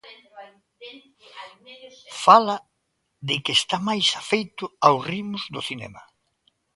Fala de que está máis afeito aos ritmos do cinema.